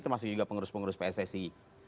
termasuk juga pengerus pengerus pssi